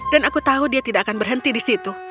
dan aku tahu dia tidak akan berhenti di situ